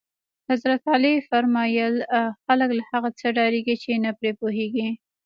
حضرت علی فرمایل: خلک له هغه څه ډارېږي چې نه پرې پوهېږي.